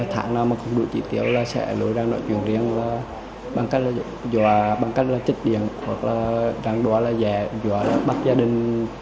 tháng nào mà không đủ trị tiêu là sẽ lối ra nội chuyện riêng bằng cách là dò bằng cách là trích điện hoặc là dò bắt gia đình trả tiền rồi bán xuống điện